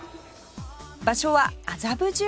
場所は麻布十番